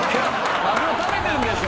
マグロ食べてるんでしょ。